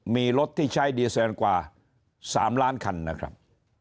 มีรถที่ใช้ดีเซนกว่า๓ล้านคันนะครับ